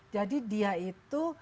jadi dia itu